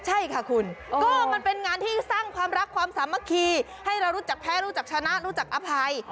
ใช่ค่ะคุณก็มันเป็นงานที่สร้างความรักความสามัคคีให้เรารู้จักแพ้รู้จักชนะรู้จักอภัย